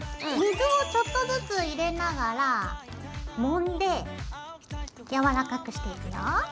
水をちょっとずつ入れながらもんでやわらかくしていくよ。